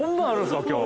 今日。